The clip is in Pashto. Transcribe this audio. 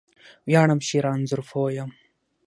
ویاړم چې رانځور پوه یم